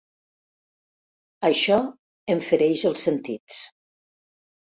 Això em fereix els sentits.